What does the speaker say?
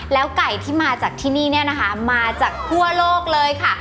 แล้วไก่ที่มาจากที่นี่เนี่ยนะคะมาจากทั่วโลกเลยค่ะ